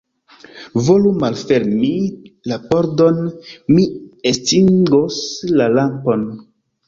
Volu malfermi la pordon; mi estingos la lampon.